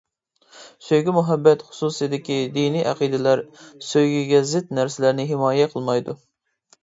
سۆيگۈ-مۇھەببەت خۇسۇسىدىكى دىنىي ئەقىدىلەر سۆيگۈگە زىت نەرسىلەرنى ھىمايە قىلمايدۇ.